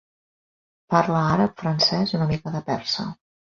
Parla àrab, francès i una mica de persa.